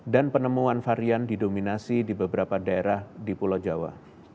dan penemuan varian didominasi di beberapa daerah di pulau jawa